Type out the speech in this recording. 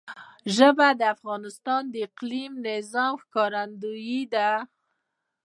ژبې د افغانستان د اقلیمي نظام ښکارندوی ده.